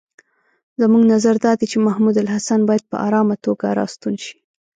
زموږ نظر دا دی چې محمودالحسن باید په آرامه توګه را ستون شي.